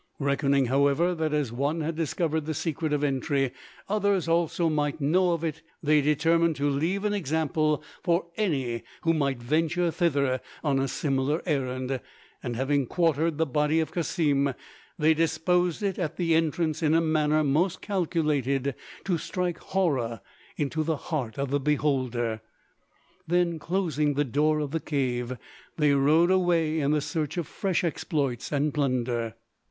Reckoning, however, that as one had discovered the secret of entry others also might know of it, they determined to leave an example for any who might venture thither on a similar errand; and having quartered the body of Cassim they disposed it at the entrance in a manner most calculated to strike horror into the heart of the beholder. Then, closing the door of the cave, they rode away in the search of fresh exploits and plunder.